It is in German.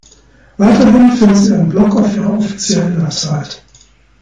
Weiterhin führt sie ein Blog auf ihrer offiziellen Website.